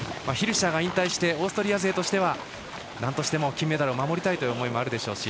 ヒルシャーが引退してオーストリア勢としてはなんとしても金メダルを守りたいと。